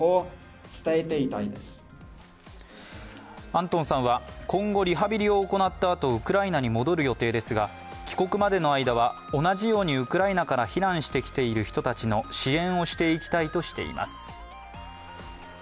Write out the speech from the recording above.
アントンさんは今後、リハビリを行ったあとウクライナに戻る予定ですが、帰国までの間は同じようにウクライナから避難してきている人たちの支援をしていきたいとしています。